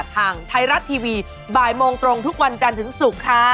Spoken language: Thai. ทางไทยรัฐทีวีบ่ายโมงตรงทุกวันจันทร์ถึงศุกร์ค่ะ